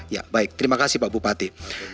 ya baik terima kasih pak bupati